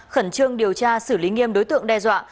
khẩn trương điều tra xử lý nghiêm đối tượng đe dọa